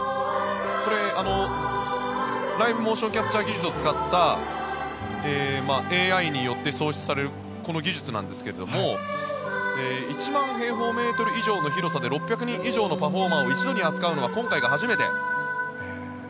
これ、ライブモーションキャプチャー技術を使ったＡＩによって創出されるこの技術なんですが１万平方メートル以上の広さで６００人以上のパフォーマーを扱うのは、今回が初めて。